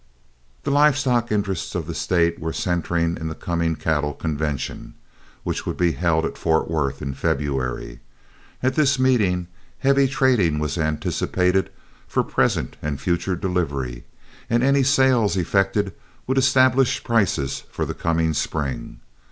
The live stock interests of the State were centring in the coming cattle convention, which would be held at Fort Worth in February. At this meeting heavy trading was anticipated for present and future delivery, and any sales effected would establish prices for the coming spring.